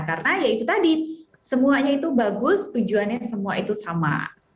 karena ya itu tadi semuanya itu bagus tujuannya semua itu sama